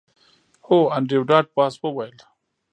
هو انډریو ډاټ باس وویل